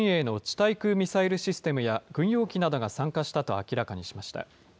対空ミサイルシステムや軍用機などが参加したと明らかにしました。